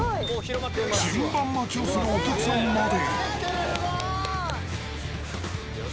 順番待ちをするお客さんまで。